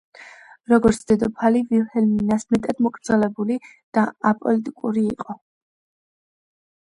როგორც დედოფალი, ვილჰელმინა მეტად მოკრძალებული და აპოლიტიკური იყო.